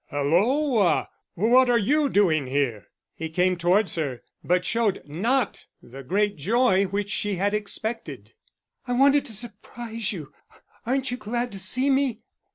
"Hulloa, what are you doing here?" He came towards her, but showed not the great joy which she had expected. "I wanted to surprise you. Aren't you glad to see me?"